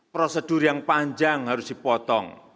prosedur yang panjang harus dipotong